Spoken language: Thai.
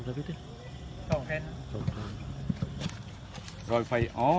สวัสดีครับทุกคนขอบคุณครับทุกคน